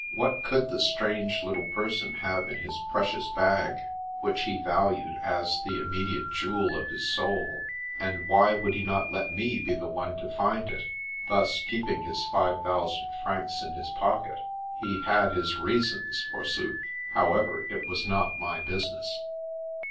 What could the strange little person have in his precious bag, which he valued as the immediate jewel of his soul ? and The Path of the Moon 1 73 why would he not let me be the one to find it, thus keeping his five thousand francs in his pocket ! He " had his reasons," forsooth ! However, it was not my business.